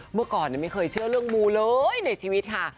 เมื่อก่อนไม่เคยเชื่อเรื่องมูเลยในชีวิตค่ะ